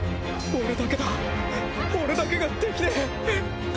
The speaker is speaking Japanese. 俺だけだ俺だけができねえ。